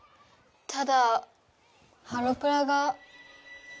ただハロプラが。